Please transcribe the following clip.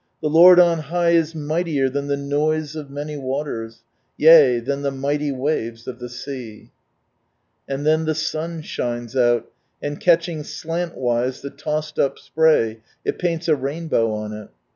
The L>oid on high is mighliec than the noise of many waters, Yea than the mighty waves of the sea !" And then the sun shines out, and catching slantwise the tossed up spray, it paints a rainbow on it.